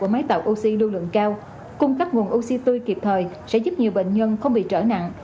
máy tạo oxy lưu lượng cao cung cấp nguồn oxy tươi kịp thời sẽ giúp nhiều bệnh nhân không bị trở nặng